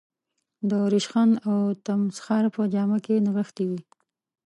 د رشخند او تمسخر په جامه کې نغښتې وي.